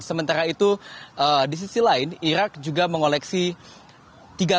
sementara itu di sisi lain irak juga mengolehkan